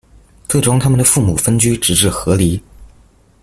最终他们的父母分居直至和离。